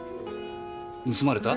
盗まれた？